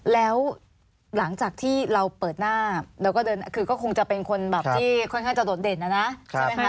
แล้วหลังจากที่เราเปิดหน้าคือก็คงจะเป็นคนที่ค่อนข้างจะโดดเด่นนะนะ